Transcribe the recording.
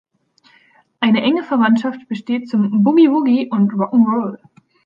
Eine enge Verwandtschaft besteht zum Boogie-Woogie und Rock ’n’ Roll.